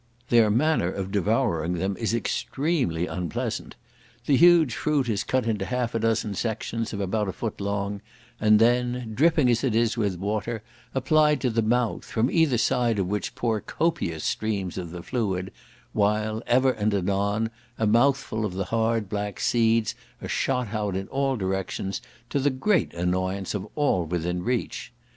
Their manner of devouring them is extremely unpleasant; the huge fruit is cut into half a dozen sections, of about a foot long, and then, dripping as it is with water, applied to the mouth, from either side of which pour copious streams of the fluid, while, ever and anon, a mouthful of the hard black seeds are shot out in all directions, to the great annoyance of all within reach.